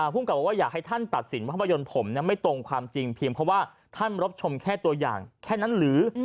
ภูมิกับบอกว่าอยากให้ท่านตัดสินภาพยนตร์ผมไม่ตรงความจริงเพียงเพราะว่าท่านรับชมแค่ตัวอย่างแค่นั้นหรือ